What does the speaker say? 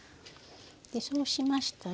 でそうしましたら。